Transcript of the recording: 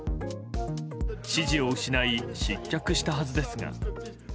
支持を失い失脚したはずですが。